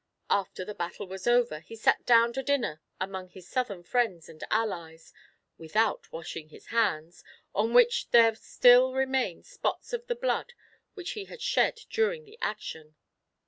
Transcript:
After the battle was over, he sat down to dinner among his southern friends and allies, without washing his hands, on which there still remained spots of the blood which he had shed during the action.